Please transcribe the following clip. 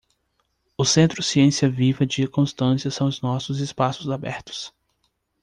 o Centro Ciência Viva de Constância são os nossos espaços abertos.